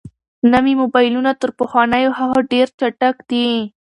نوي موبایلونه تر پخوانیو هغو ډېر چټک دي.